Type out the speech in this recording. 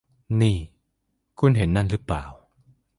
นี่ คุณเห็นนั่นรึเปล่า